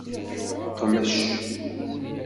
Qmec.